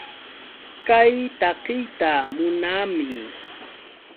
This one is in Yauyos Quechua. Kay takiyta munaami.